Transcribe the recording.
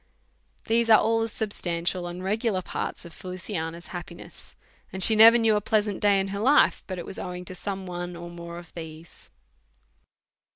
These are ail the substantial and regular parts of Feliciana's happiness ; and she never new a pleasant day in her life, but it was owing to some one or more of these things.